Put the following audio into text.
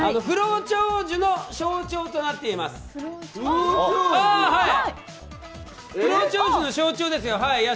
不老長寿の象徴となっています。